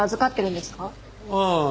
ああ。